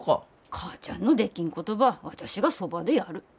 母ちゃんのできんことば私がそばでやる。